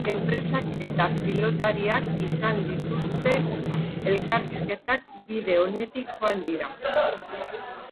Enpresak eta pilotariak izan dituzten elkarrizketak bide onetik joan dira.